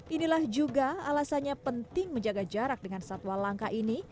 inilah juga alasannya penting menjaga jarak dengan satwa langka ini